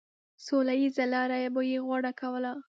سوله ييزه لاره به يې غوره کوله.